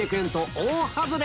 大外れ！